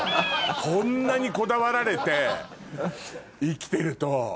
こんなにこだわられて生きてると。